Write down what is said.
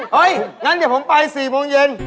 งั้นเดี๋ยวผมไป๔โมงเย็น